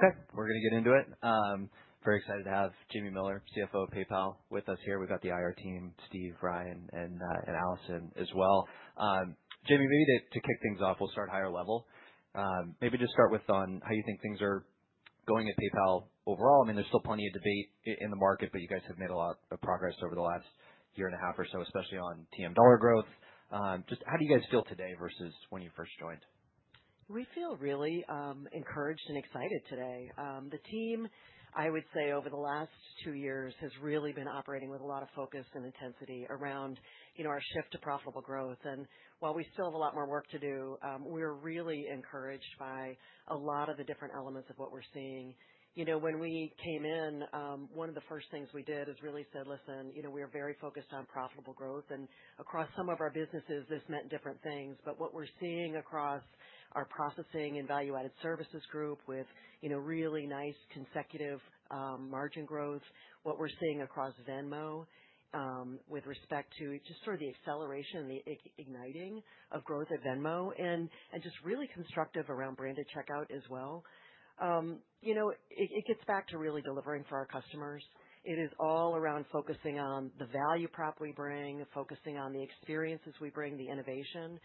Okay. We're gonna get into it. Very excited to have Jamie Miller, CFO of PayPal, with us here. We've got the IR team, Steve, Ryan, and, and Allison as well. Jamie, maybe to to kick things off, we'll start higher level. Maybe just start with on how you think things are going at PayPal overall. I mean, there's still plenty of debate in the market, but you guys have made a lot of progress over the last year and a half or so, especially on TM dollar growth. Just how do you guys feel today versus when you first joined? We feel really, encouraged and excited today. The team, I would say, over the last two years has really been operating with a lot of focus and intensity around, you know, our shift to profitable growth. And while we still have a lot more work to do, we're really encouraged by a lot of the different elements of what we're seeing. You know, when we came in, one of the first things we did is really said, listen, you know, we are very focused on profitable growth. And across some of our businesses, this meant different things. But what we're seeing across our processing and value added services group with, you know, really nice consecutive, margin growth, what we're seeing across Venmo, with respect to just sort of the acceleration, the igniting of growth at Venmo, and and just really constructive around branded checkout as well. You know, it it gets back to really delivering for our customers. It is all around focusing on the value prop we bring, focusing on the experiences we bring, the innovation.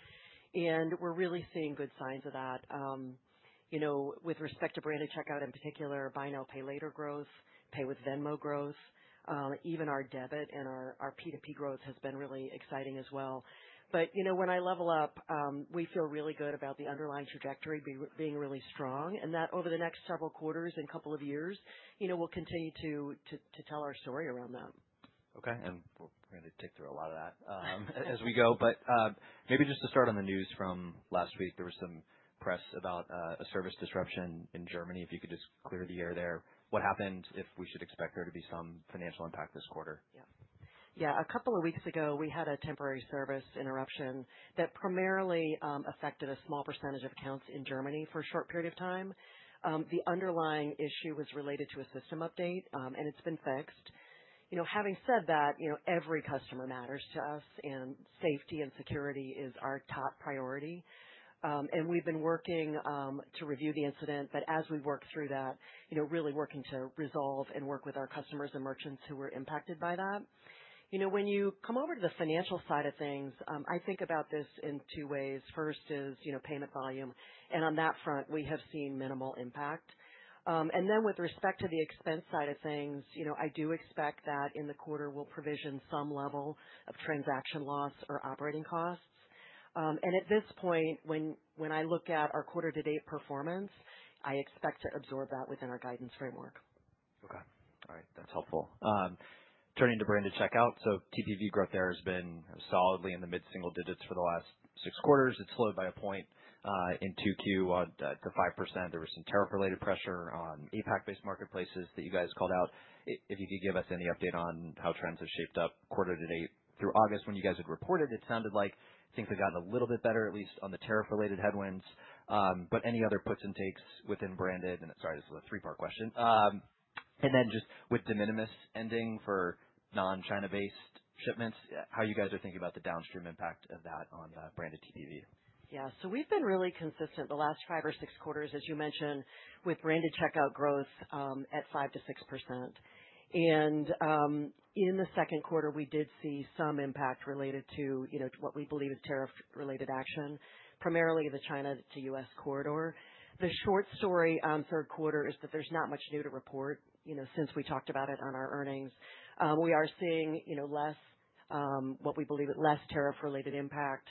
And we're really seeing good signs of that. You know, with respect to branded checkout in particular, buy now pay later growth, pay with Venmo growth, even our debit and our our p two p growth has been really exciting as well. But, you know, when I level up, we feel really good about the underlying trajectory being being really strong. And that over the next several quarters and couple of years, you know, we'll continue to to tell our story around that. Okay. And we're gonna take through a lot of that, as we go. But, maybe just to start on the news from last week, there was some press about, a service disruption in Germany. If you could just clear the air there. What happened if we should expect there to be some financial impact this quarter? Yeah. Yeah. A couple of weeks ago, we had a temporary service interruption that primarily, affected a small percentage of accounts in Germany for a short period of time. The underlying issue was related to a system update, and it's been fixed. You know, having said that, you know, every customer matters to us, and safety and security is our our top priority. And we've been working to review the incident. But as we work through that, you know, really working to resolve and work with our customers and merchants who were impacted by that. You know, when you come over to the financial side of things, I think about this in two ways. First is, you know, payment volume. And on that front, we have seen minimal impact. And then with respect to the expense side of things, you know, I do expect that in the quarter, we'll provision some level of transaction loss or operating costs. And at this point, when when I look at our quarter to date performance, I expect to absorb that within our guidance framework. Okay. Alright. That's helpful. Turning to Branded Checkout. So TPV growth there has been solidly in the mid single digits for the last six quarters. It slowed by a point, in 2Q to 5%. There were some tariff related pressure on APAC based marketplaces that you guys called out. If you could give us any update on how trends have shaped up quarter to date through August when you guys had reported, it sounded like things have gotten a little bit better at least on the tariff related headwinds. But any other puts and takes within branded? And sorry, is a three part question. And then just with de minimis ending for non China based shipments, how you guys are thinking about the downstream impact of that on the branded TPV? Yeah. So we've been really consistent the last five or six quarters, as you mentioned, with branded checkout growth, at 5% to 6%. And, in the second quarter, we did see some impact related to, you know, to what we believe is tariff related action, primarily the China to US corridor. The short story on third quarter is that there's not much new to report, you know, since we talked about it on our earnings. We are seeing, you know, less, what we believe, less tariff related impact.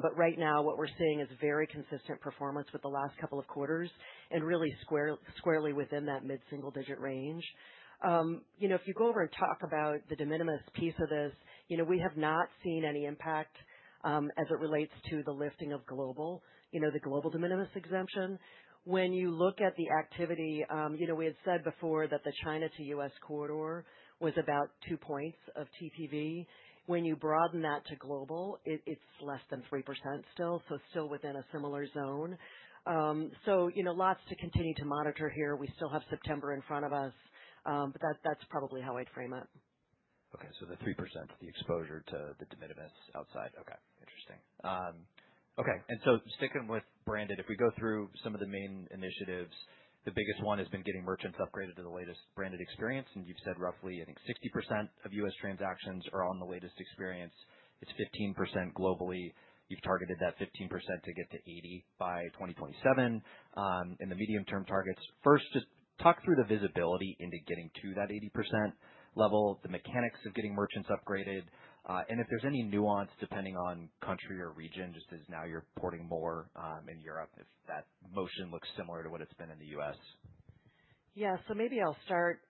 But right now, what we're seeing is very consistent performance with the last couple of quarters and really square squarely within that mid single digit range. You know, if you go over and talk about the de minimis piece of this, you know, we have not seen any impact, as it relates to the lifting of global, you know, the global de minimis exemption. When you look at the activity, you know, we had said before that the China to US corridor was about two points of TPV. When you broaden that to global, it it's less than 3% still. So it's still within a similar zone. So, you know, lots to continue to monitor here. We still have September in front of us, but that that's probably how I'd frame it. Okay. So the 3% of the exposure to the de minimis outside. Okay. Interesting. Okay. And so sticking with branded, if we go through some of the main initiatives, the biggest one has been getting merchants upgraded to the latest branded experience. And you've said roughly, I think, 60% of U. S. Transactions are on the latest experience. It's 15% globally. You've targeted that 15% to get to 80 by 2027 in the medium term targets. First, just talk through the visibility into getting to that 80% level, the mechanics of getting merchants upgraded, and if there's any nuance depending on country or region just as now you're porting more, in Europe if that motion looks similar to what it's been in The US? Yeah. So maybe I'll start,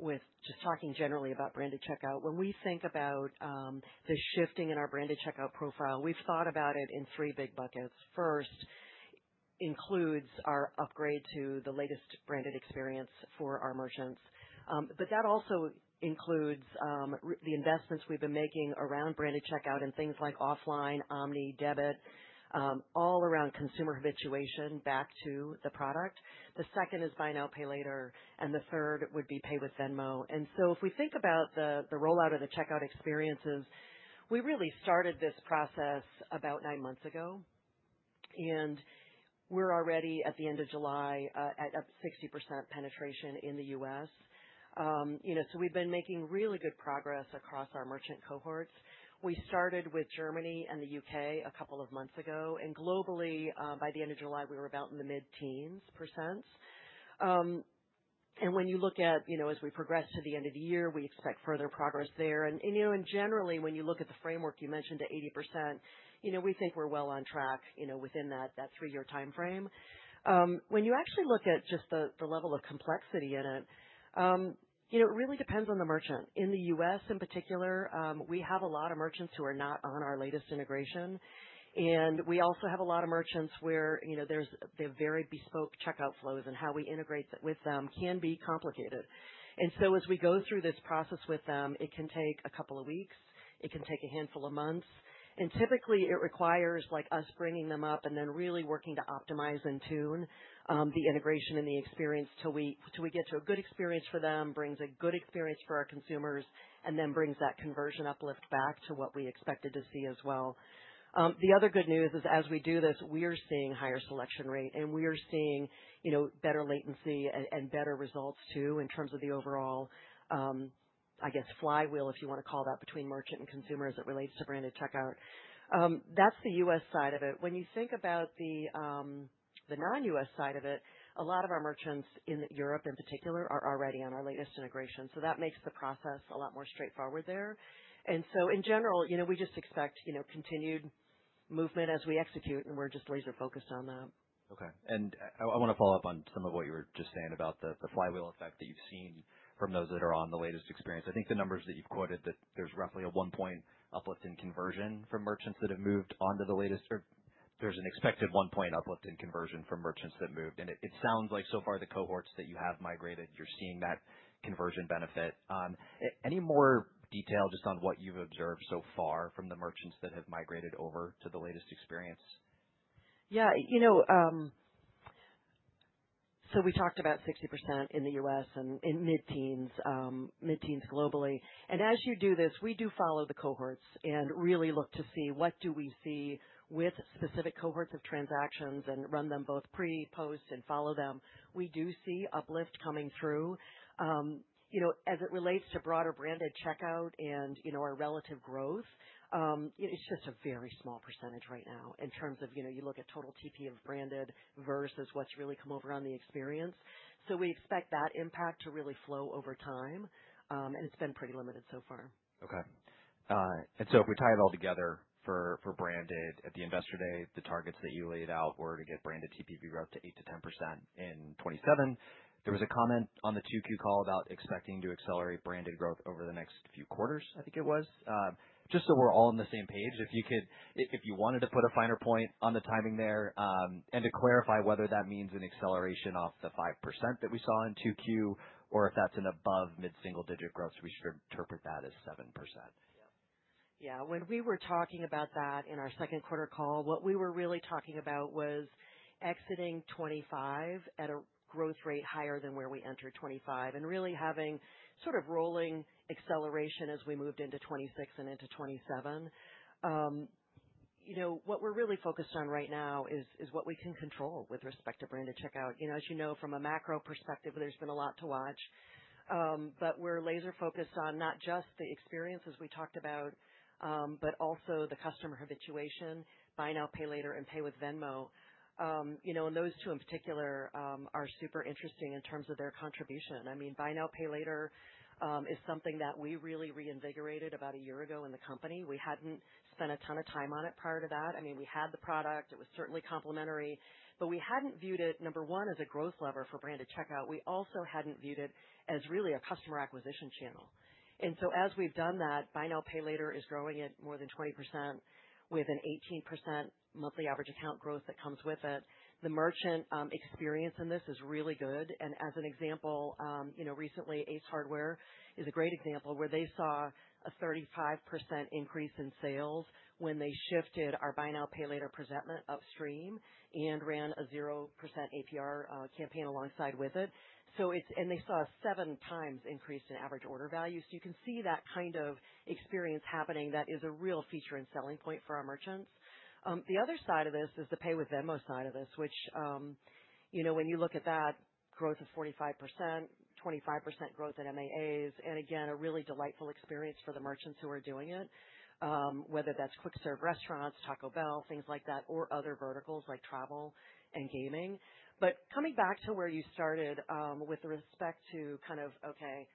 with just talking generally about branded checkout. When we think about, the shifting in our branded checkout profile, we've thought about it in three big buckets. First, includes our upgrade to the latest branded experience for our merchants. But that also includes, the investments we've been making around branded checkout and things like offline, omni, debit, all around consumer habituation back to the product. The second is buy now, pay later, and the third would be pay with Venmo. And so if we think about the the rollout of the checkout experiences, we really started this process about nine months ago. And we're already at the July at up 60% penetration in The US. You know, so we've been making really good progress across our merchant cohorts. We started with Germany and The UK And globally, by the July, we were about in the mid teens percent. And when you look at, you know, as we progress to the end of the year, we expect further progress there. And, you know, and generally, when you look at the framework you mentioned to 80%, you know, we think we're well on track, you know, within that that three year time frame. When you actually look at just the the level of complexity in it, you know, it really depends on the merchant. In The US, in particular, we have a lot of merchants who are not on our latest integration. And we also have a lot of merchants where, you know, there's they're very bespoke checkout flows, and how we integrate that with them can be complicated. And so as we go through this process with them, it can take a couple of weeks. It can take a handful of months. And typically, it requires, like, us bringing them up and then really working to optimize and tune, the integration and the experience till we till we get to a good experience for them, brings a good experience for our consumers, and then brings that conversion uplift back to what we expected to see as well. The other good news is as we do this, we are seeing higher selection rate, and we are seeing, you know, better latency and and better results too in terms of the overall, I guess, flywheel, if you wanna call that between merchant and consumers as it relates to branded checkout. That's The US side of it. When you think about the, the non US side of it, a lot of our merchants in Europe, in particular, are already integration. So that makes the process a lot more straightforward there. And so, in general, you know, we just expect, you know, continued movement as we execute, and we're just laser focused on that. Okay. And I I wanna follow-up on some of what you were just saying about the the flywheel effect that you've seen from those that are on the latest experience. I think the numbers that you've quoted that there's roughly a one point uplift in conversion from merchants that have moved on to the latest or there's an expected one point uplift in conversion from merchants that moved. And it it sounds like so far the cohorts that you have migrated, you're seeing that conversion benefit. Any more detail just on what you've observed so far from the merchants that have migrated over to the latest experience? Yeah. You know, so we talked about 60% in The US and in mid teens, mid teens globally. And as you do this, we do follow the cohorts and really look to see what do we see with specific cohorts of transactions and run them both pre, post, and follow them. We do see uplift coming through. You know, as it relates to broader branded checkout and, you know, our relative growth, it's just a very small percentage right now in terms of, you know, you look at total t p of branded versus what's really come over on the experience. So we expect that impact to really flow over time, and it's been pretty limited so far. Okay. And so if we tie it all together for for branded at the Investor Day, the targets that you laid out were to get branded TPB growth to eight to 10% in '27. There was a comment on the two q call about expecting to accelerate branded growth over the next few quarters, I think it was. Just so we're all on the same page, if you could if if you wanted to put a finer point on the timing there, and to clarify whether that means an acceleration off the 5% that we saw in February or if that's an above mid single digit growth, we should interpret that as 7%. Yeah. When we were talking about that in our second quarter call, what we were really talking about was exiting '25 at a growth rate higher than where we entered '25 and really having sort of rolling acceleration as we moved into '26 and into '27. You know, what we're really focused on right now is is what we can control with respect to branded checkout. You know, as you know, from a macro perspective, there's been a lot to watch. But we're laser focused on not just the experiences we talked about, but also the customer habituation, buy now, pay later, and pay with Venmo. You know, and those two in particular, are super interesting in terms of their contribution. I mean, buy now, pay later, is something that we really reinvigorated about a year ago in the company. We hadn't spent a ton of time on it prior to that. I mean, we had the product. It was certainly complimentary. But we hadn't viewed it, number one, as a growth lever for branded checkout. We also hadn't viewed it as really a customer acquisition channel. And so as we've done that, buy now pay later is growing at more than 20% with an 18% monthly average account growth that comes with it. The merchant, experience in this is really good. And as an example, you know, recently Ace Hardware is a great example where they saw a 35% increase in sales when they shifted our buy now pay later presentment upstream and ran a 0% APR campaign alongside with it. So it's and they saw a seven times increase in average order value. So you can see that kind of experience happening that is a real feature and selling point for our merchants. The other side of this is the pay with Venmo side of this, which, you know, when you look at that growth of 45%, 25% growth in MAA's, and again, a really delightful experience for the merchants who are doing it, whether that's quick serve restaurants, Taco Bell, things like that, or other verticals like travel and gaming. But coming back to where you started, with respect to kind of, okay,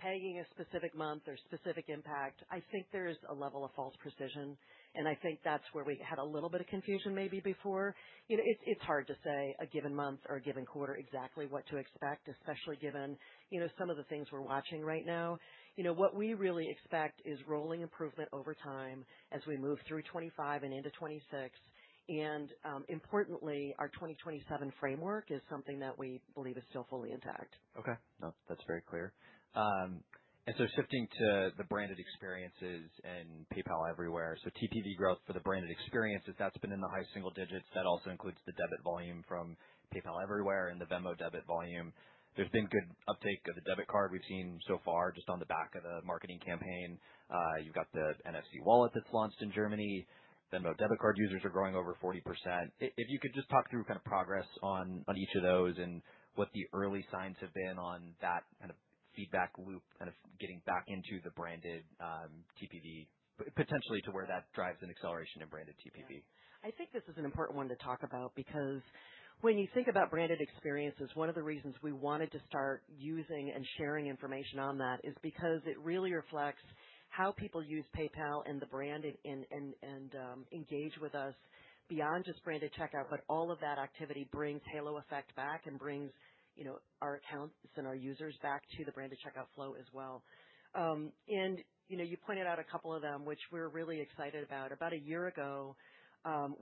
pegging a specific month or specific impact, I think there's a level of false precision. And I think that's where we had a little bit of confusion maybe before. You know, it's it's hard to say a given month or a given quarter exactly what to expect, especially given, you know, some of the things we're watching right now. You know, what we really expect is rolling improvement over time as we move through '25 and into '26. And, importantly, our 2027 framework is something that we believe is still fully intact. Okay. No. That's very clear. And so shifting to the branded experiences and PayPal Everywhere. So TPV growth for the branded experiences, that's been in the high single digits. That also includes the debit volume from PayPal Everywhere and the Venmo debit volume. There's been good uptake of the debit card we've seen so far just on the back of the marketing campaign. You've got the NFC wallet that's launched in Germany. Venmo debit card users are growing over 40%. If you could just talk through kind of progress on on each of those and what the early signs have been on that kind of feedback loop kind of getting back into the branded, TPV, potentially to where that drives an acceleration in branded TPV. I think this is an important one to talk about because when you think about branded experiences, one of the reasons we wanted to start using and sharing information on that is because it really reflects how people use PayPal and the branding and and and, engage with us beyond just branded checkout, but all of that activity brings halo effect back and brings, you know, our accounts and our users back to the branded checkout flow as well. And, you know, you pointed out a couple of them, which we're really excited about. About a year ago,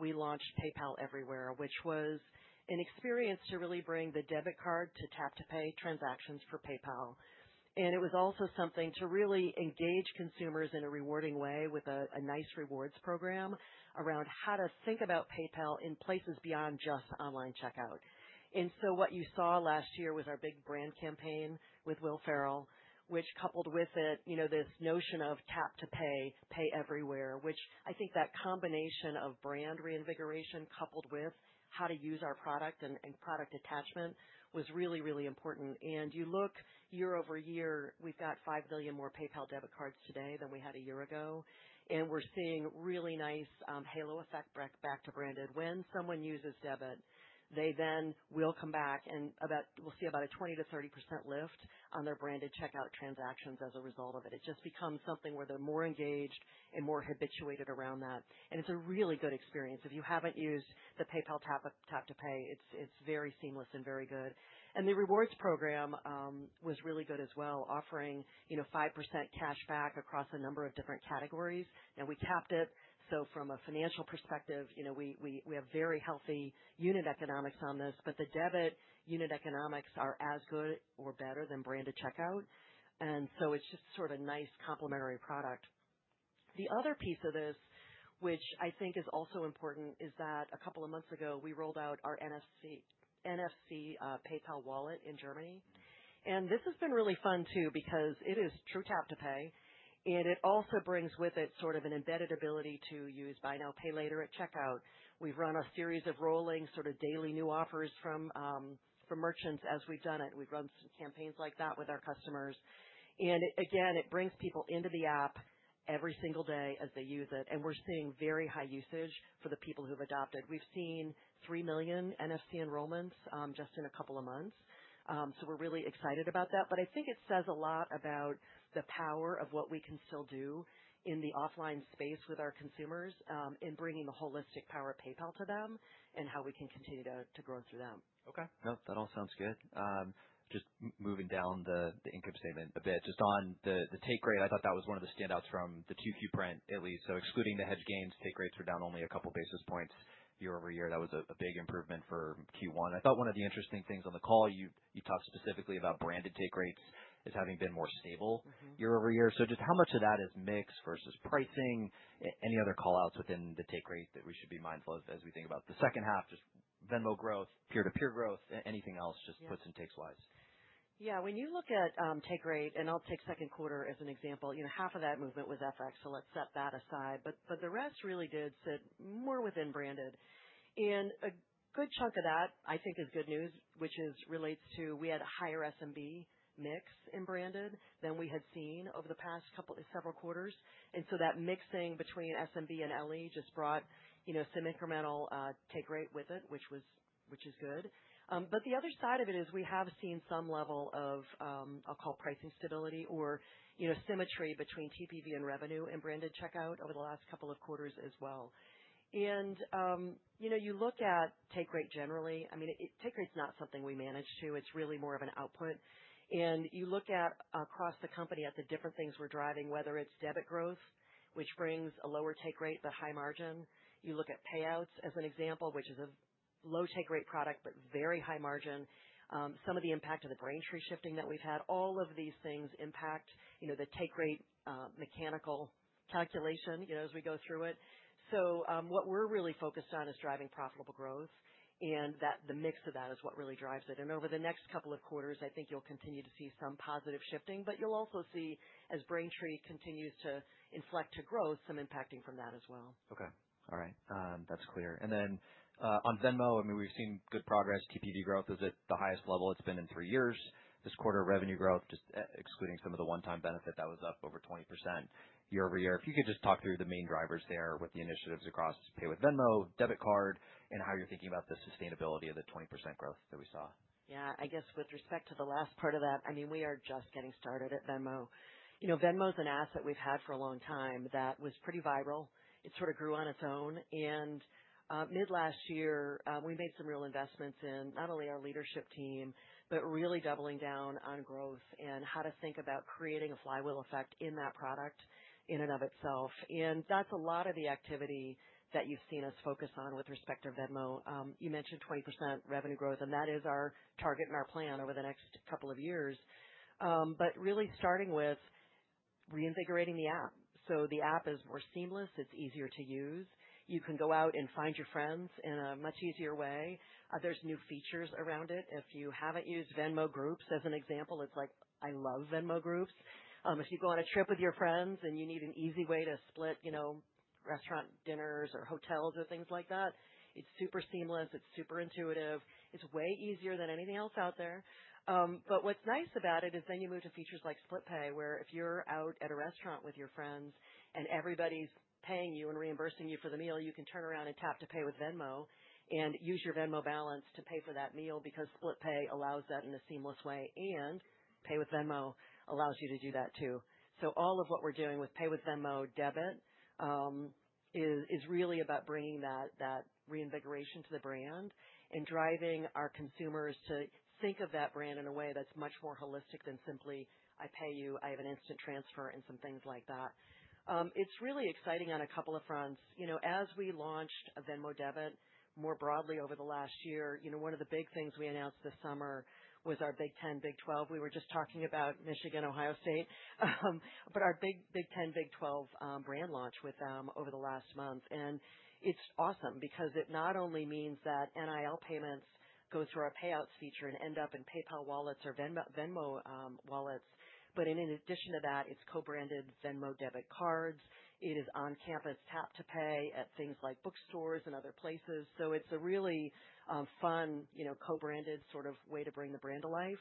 we launched PayPal Everywhere, which was an experience to really bring the debit card to tap to pay transactions for PayPal. And it was also something to really engage consumers in a rewarding way with a a nice rewards program around how to think about PayPal in places beyond just online checkout. And so what you saw last year was our big brand campaign with Will Ferrell, which coupled with it, you know, this notion of tap to pay, pay everywhere, which I think that combination of brand reinvigoration coupled with how to use our product and and product attachment was really, really important. And you look year over year, we've got 5,000,000,000 more PayPal debit cards today than we had a year ago. And we're seeing really nice, halo effect back back to branded. When someone uses debit, they then will come back and about we'll see about a 20 to 30% lift on their branded checkout transactions as a result of it. It just becomes something where they're more engaged and more habituated around that. And it's a really good experience. If you haven't used the PayPal tap tap to pay, it's it's very seamless and very good. And the rewards program, was really good as well, offering, you know, 5% cash back across a number of different categories. And we capped it. So from a financial perspective, you know, we we we have very healthy unit economics on this, but the debit unit economics are as good or better than branded checkout. And so it's just sort of a nice complimentary product. The other piece of this, which I think is also important, is that a couple of months ago, we rolled out our n f c NFC, PayPal wallet in Germany. And this has been really fun too because it is true tap to pay, and it also brings with it sort of an embedded ability to use buy now, pay later at checkout. We've run a series of rolling sort of daily new offers from, from merchants as we've done it. We've run some campaigns like that with our customers. And it again, it brings people into the app every single day as they use it. And we're seeing very high usage for the people who've adopted. We've seen 3,000,000 NFC enrollments just in a couple of months. So we're really excited about that. But I think it says a lot about the power of what we can still do in the offline space with our consumers in bringing the holistic power of PayPal to them and how we can continue to to grow through them. Okay. No. That all sounds good. Just moving down the the income statement a bit. Just on the the take rate, I thought that was one of the standouts from the two q print, at least. So excluding the hedge gains, take rates were down only a couple basis points year over year. That was a a big improvement for q one. I thought one of the interesting things on the call, you you talked specifically about branded take rates as having been more stable Mhmm. Year over year. So just how much of that is mix versus pricing? Any other call outs within the take rate that we should be mindful of as we think about the second half, just Venmo growth, peer to peer growth, anything else just puts and takes wise? Yeah. When you look at, take rate, and I'll take second quarter as an example, you know, half of that movement was FX, so let's set that aside. But but the rest really did sit more within branded. And a good chunk of that, I think, is good news, which is relates to we had a higher SMB mix in branded than we had seen over the past couple several quarters. And so that mixing between SMB and LE just brought, you know, some incremental take rate with it, which was which is good. But the other side of it is we have seen some level of, I'll call pricing stability or, you know, symmetry between TPV and revenue and branded checkout over the last couple of quarters as well. And, you know, you look at take rate generally. I mean, take rate is not something we manage to. It's really more of an output. And you look at across the company at the different things we're driving, whether it's debit growth, which brings a lower take rate but high margin. You look at payouts as an example, which is a low take rate product but very high margin. Some of the impact of the brain tree shifting that we've had, all of these things impact, you know, the take rate, mechanical calculation, you know, as we go through it. So, what we're really focused on is driving profitable growth and that the mix of that is what really drives it. And over the next couple of quarters, I think you'll continue to see some positive shifting, but you'll also see as Braintree continues to inflect to growth, some impacting from that as well. Okay. Alright. That's clear. And then, on Venmo, I mean, we've seen good progress. TPV growth is at the highest level it's been in three years. This quarter revenue growth just excluding some of the one time benefit that was up over 20% year over year. If you could just talk through the main drivers there with the initiatives across pay with Venmo, debit card, and how you're thinking about the sustainability of the 20% growth that we saw. Yeah. I guess with respect to the last part of that, I mean, we are just getting started at Venmo. You know, Venmo is an asset we've had for a long time that was pretty viral. It sort of grew on its own. And mid last year, we made some real investments in not only our leadership team, but really doubling down on growth and how to think about creating a flywheel effect in that product in and of itself. And that's a lot of the activity that you've seen us focus on with respect to Venmo. You mentioned 20% revenue growth, and that is our target and our plan over the next couple of years. But really starting with reinvigorating the app. So the app is more seamless. It's easier to use. You can go out and find your friends in a much easier way. There's new features around it. If you haven't used Venmo groups as an example, it's like, I love Venmo groups. If you go on a trip with your friends and you need an easy way to split, you know, restaurant dinners or hotels or things like that, it's super seamless. It's super intuitive. It's way easier than anything else out there. But what's nice about it is then you move to features like split pay where if you're out at a restaurant with your friends and everybody's paying you and reimbursing you for the meal, you can turn around and tap to pay with Venmo and use your Venmo balance to pay for that meal because split pay allows that in a seamless way and pay with Venmo allows you to do that too. So all of what we're doing with pay with Venmo debit is is really about bringing that that reinvigoration to the brand and driving our consumers to think of that brand in a way that's much more holistic than simply I pay you, I have an instant transfer and some things like that. It's really exciting on a couple of fronts. You know, as we launched Venmo debit more broadly over the last year, you know, one of the big things we announced this summer was our Big 10, Big 12. We were just talking about Michigan, Ohio State. But our Big Big 10, Big 12, brand launched with them over the last month. And it's awesome because it not only means that NIL payments go through our payouts feature and end up in PayPal wallets or Venmo, wallets. But in in addition to that, it's co branded Venmo debit cards. It is on campus tap to pay at things like bookstores and other places. So it's a really fun, you know, co branded sort of way to bring the brand to life.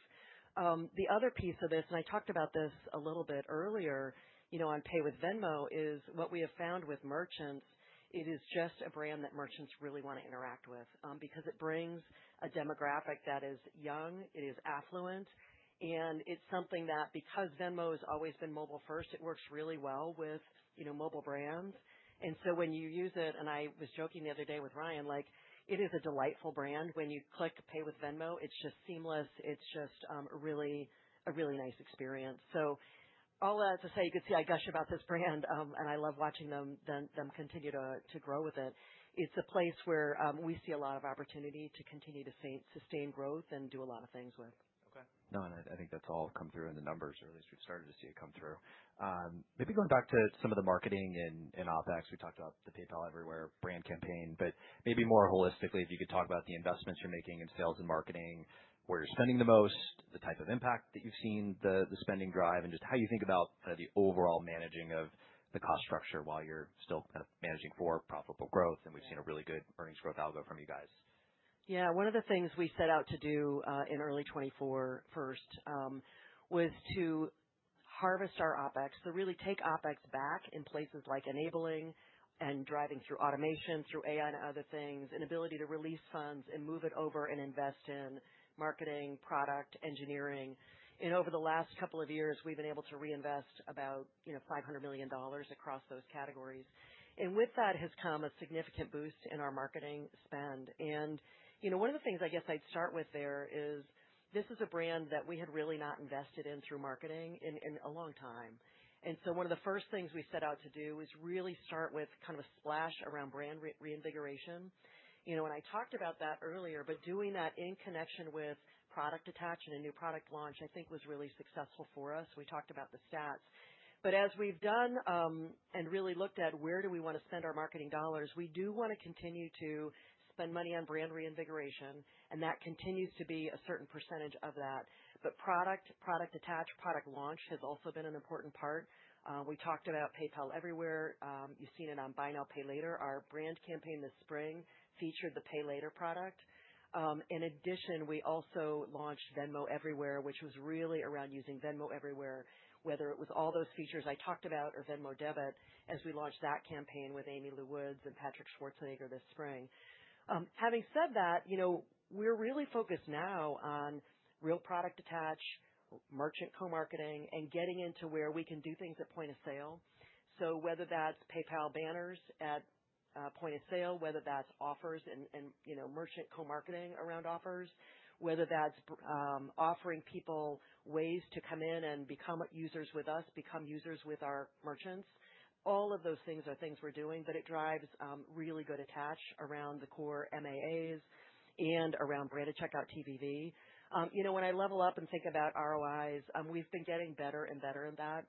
The other piece of this, and I talked about this a little bit earlier, you know, on pay with Venmo is what we have found with merchants, it is just a brand that merchants really wanna interact with because it brings a demographic that is young, it is affluent, and it's something that because Venmo has always been mobile first, it works really well with, you know, mobile brands. And so when you use it and I was joking the other day with Ryan, like, it is a delightful brand. When you click pay with Venmo, it's just seamless. It's just, a really a really nice experience. So all that to say, could see I gush about this brand, and I love watching them them them continue to to grow with it. It's a place where, we see a lot of opportunity to continue to say sustain growth and do a lot of things with. Okay. No. And I I think that's all come through in the numbers or at least we've started to see it come through. Maybe going back to some of the marketing and and OpEx, we talked about the PayPal Everywhere brand campaign. But maybe more holistically, if you could talk about the investments you're making in sales and marketing, where you're spending the most, the type of impact that you've seen the the spending drive, and just how you think about kind of the overall managing of the cost structure while you're still kind of managing for profitable growth, and we've seen a really good earnings growth algo from you guys. Yeah. One of the things we set out to do, in early twenty four first, was to harvest our OpEx. So really take OpEx back in places like enabling and driving through automation, through AI and other things, and ability to release funds and move it over and invest in marketing, product, engineering. And over the last couple of years, we've been able to reinvest about, $500,000,000 across those categories. And with that has come a significant boost in our marketing spend. One of the things I guess I'd start with there is this is a brand that we had really not invested in through marketing in a long time. And so one of the first things we set out to do is really start with kind of a splash around brand reinvigoration. You know, when I talked about that earlier, but doing that in connection with product attach and a new product launch, I think was really successful for us. We talked about the stats. But as we've done, and really looked at where do we wanna spend our marketing dollars, we do wanna continue to spend money on brand reinvigoration, and that continues to be a certain percentage of that. But product product attach, product launch has also been an important part. We talked about PayPal Everywhere. You've seen it on buy now, pay later. Our brand campaign this spring featured the pay later product. In addition, we also launched Venmo Everywhere, which was really around using Venmo Everywhere, whether it was all those features I talked about or Venmo debit as we launched that campaign with Amy Lou Woods and Patrick Schwarzenegger this spring. Having said that, you know, we're really focused now on real product attach, merchant co marketing, and getting into where we can do things at point of sale. So whether that's PayPal banners at, point of sale, whether that's offers and and, you know, merchant co marketing around offers, whether that's offering people ways to come in and become users with us, become users with our merchants. All of those things are things we're doing, but it drives, really good attach around the core MAAs and around branded checkout TVV. You know, when I level up and think about ROIs, we've been getting better and better in that,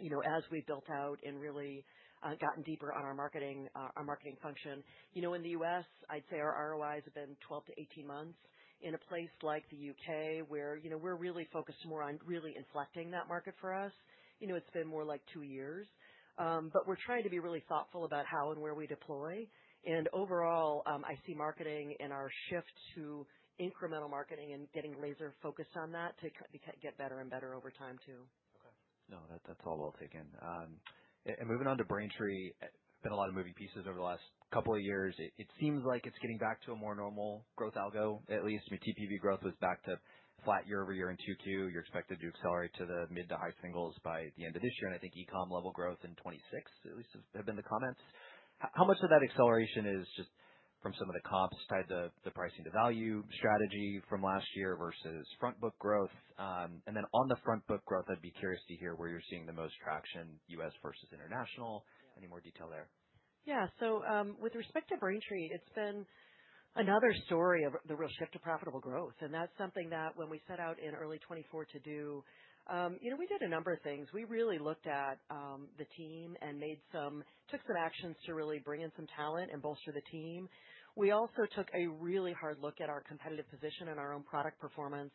you know, as we built out and really gotten deeper on our marketing our marketing function. You know, in The US, I'd say our ROIs have been twelve to eighteen months. In a place like The UK where, you know, we're really focused more on really inflecting that market for us, you know, it's been more like two years. But we're trying to be really thoughtful about how and where we deploy. And overall, I see marketing and our shift to incremental marketing and getting laser focused on that to get better and better over time too. Okay. No. That that's all well taken. And moving on to Braintree, been a lot of moving pieces over the last couple of years. It it seems like it's getting back to a more normal growth algo, at least. I mean, TPV growth was back to flat year over year in '2 q. You're expected to accelerate to the mid to high singles by the end of this year, I think e com level growth in '26, at least have have been the comments. How much of that acceleration is just from some of the comps tied to the pricing to value strategy from last year versus front book growth? And then on the front book growth, I'd be curious to hear where you're seeing the most traction US versus international. Any more detail there? Yeah. So, with respect to Raintree, it's been another story of the real shift to profitable growth. And that's something that when we set out in early twenty four to do, you know, we did a number of things. We really looked at, the team and made some took some actions to really bring in some talent and bolster the team. We also took a really hard look at our competitive position and our own product performance.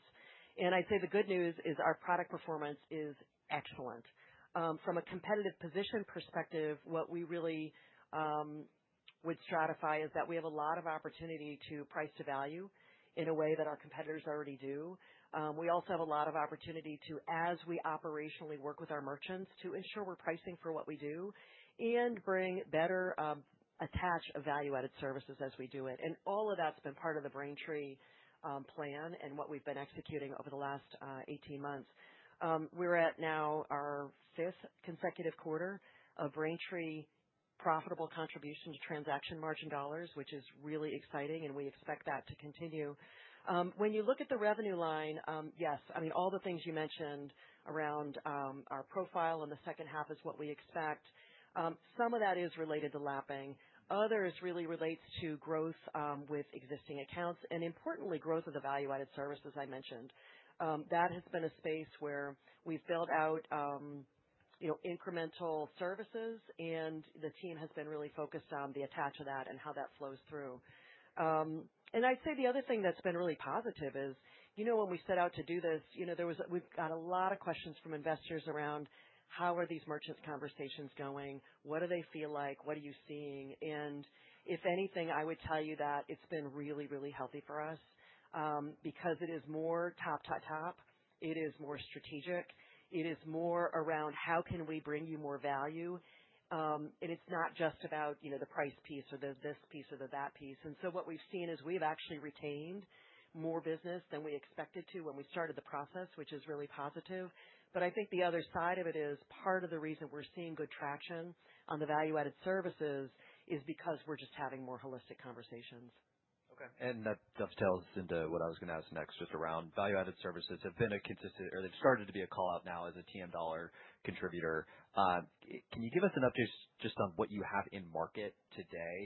And I'd say the good news is our product performance is excellent. From a competitive position perspective, what we really would stratify is that we have a lot of opportunity to price to value in a way that our competitors already do. We also have a lot of opportunity to as we operationally work with our merchants to ensure we're pricing for what we do and bring better, attach value added services as we do it. And all of that's been part of the Braintree, plan and what we've been executing over the last, eighteen months. We're at now our fifth consecutive quarter of Braintree profitable contribution to transaction margin dollars, which is really exciting, and we expect that to continue. When you look at the revenue line, yes, I mean, all the things you mentioned around our profile in the second half is what we expect. Some of that is related to lapping. Others really relates to growth with existing accounts, and importantly, growth of the value added services I mentioned. That has been a space where we've built out, you know, incremental services, and the team has been really focused on the attach of that and how that flows through. And I'd say the other thing that's been really positive is, you know, when we set out to do this, you know, there was we've got a lot of questions from investors around how are these merchant conversations going, what do they feel like, what are you seeing. And if anything, I would tell you that it's been really, really healthy for us, because it is more top, top, top. It is more strategic. It is more around how can we bring you more value. And it's not just about, you know, the price piece or the this piece or the that piece. And so what we've seen is we've actually retained more business than we expected to when we started the process, which is really positive. But I think the other side of it is part of the reason we're seeing good traction on the value added services is because we're just having more holistic conversations. Okay. And that dovetails into what I was gonna ask next just around value added services have been a consistent or they've started to be a call out now as a TM dollar contributor. Can you give us an update just on what you have in market today?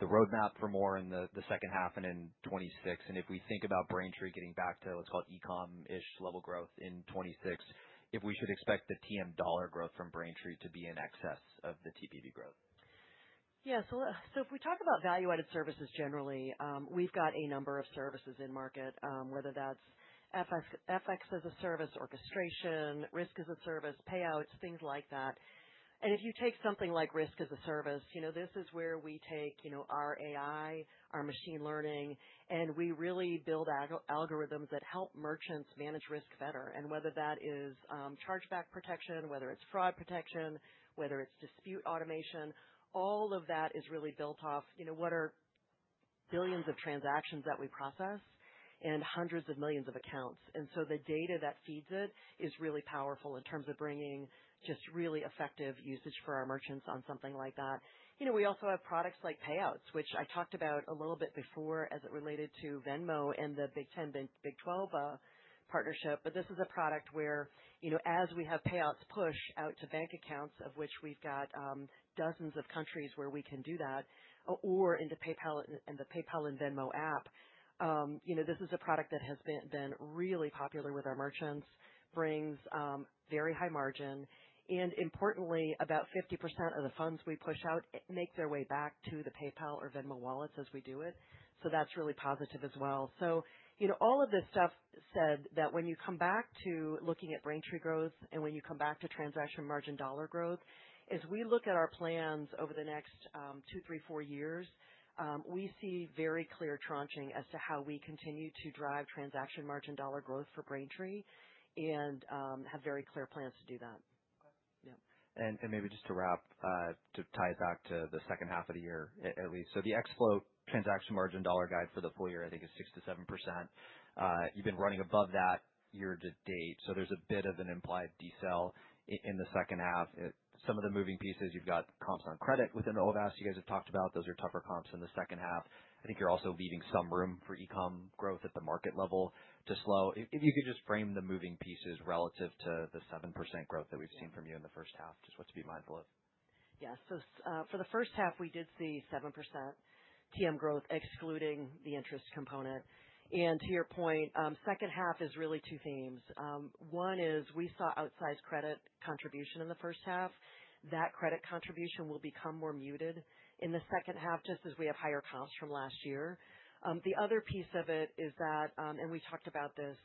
The road map for more in the the second half and in '26. And if we think about Braintree getting back to, let's call it, e com ish level growth in '26, if we should expect the TM dollar growth from Braintree to be in excess of the TPV growth. Yes. So so if we talk about value added services generally, we've got a number of services in market, whether that's f f FX as a service, orchestration, risk as a service, payouts, things like that. And if you take something like risk as a service, you know, this is where we take, you know, our AI, our machine learning, and we really build algorithms that help merchants manage risk better. And whether that is, chargeback protection, whether it's fraud protection, whether it's dispute automation, all of that is really built off, you know, what are billions of transactions that we process and hundreds of millions of accounts. And so the data that feeds it is really powerful in terms of bringing just really effective usage for our merchants on something like that. You know, we also have products like payouts, which I talked about a little bit before as it related to Venmo and the Big Ten, Big Twelve partnership. But this is a product where, you know, as we have payouts push out to bank accounts of which we've got dozens of countries where we can do that or into PayPal and and the PayPal and Venmo app, you know, this is a product that has been been really popular with our merchants, brings, very high margin. And importantly, about 50% of the funds we push out make their way back to the PayPal or Venmo wallets as we do it. So that's really positive as well. So, you know, all of this stuff said that when you come back to looking at Braintree growth and when you come back to transaction margin dollar growth, as we look at our plans over the next, two, three, four years, we see very clear tranching as to how we continue to drive transaction margin dollar growth for Braintree and, have very clear plans to do that. Yep. And and maybe just to wrap, to tie it back to the second half of the year at least. So the x float transaction margin dollar guide for the full year, I think, is six to 7%. You've been running above that year to date, so there's a bit of an implied decel in the second half. Some of the moving pieces, you've got comps on credit within OVAS, you guys have talked about. Those are tougher comps in the second half. I think you're also leaving some room for e com growth at the market level to slow. If if you could just frame the moving pieces relative to the 7% growth that we've seen from you in the first half, just what to be mindful of. Yes. So, for the first half, we did see 7% TM growth excluding the interest component. And to your point, second half is really two themes. One is we saw outsized credit contribution in the first half. That credit contribution will become more muted in the second half just as we have higher comps from last year. The other piece of it is that, and we talked about this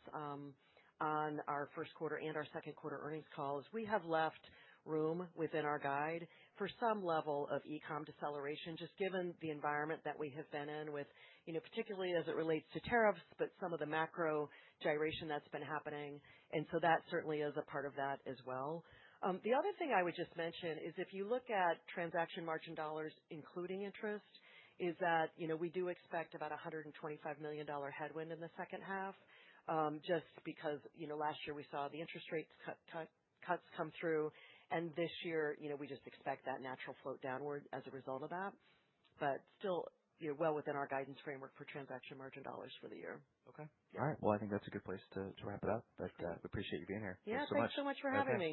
on our first quarter and our second quarter earnings calls, we have left room within our guide for some level of e comm deceleration just given the environment that we have been in with, particularly as it relates to tariffs, but some of the macro gyration that's been happening. And so that certainly is a part of that as well. The other thing I would just mention is if you look at transaction margin dollars including interest is that, you know, we do expect about a $125,000,000 headwind in the second half, just because, you know, last year we saw the interest rates cut cut cuts come through. And this year, you know, we just expect that natural flow downward as a result of that. But still, you're well within our guidance framework for transaction margin dollars for the year. Okay? Alright. Well, I think that's a good place to to wrap it up. But, we appreciate you being here. Yeah. Thanks so much for having me.